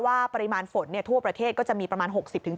ปริมาณฝนทั่วประเทศก็จะมีประมาณ๖๐๗